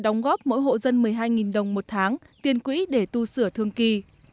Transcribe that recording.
đóng góp mỗi hộ dân một mươi hai đồng một tháng tiền quỹ để tu sửa thương kỳ